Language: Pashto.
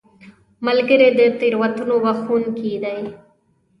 ملګری د تېروتنو بخښونکی دی